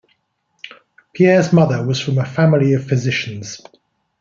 Pierre's mother was from a family of physicians.